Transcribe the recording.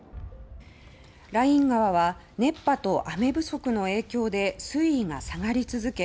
ライン川は熱波と雨不足の影響で水位が下がり続け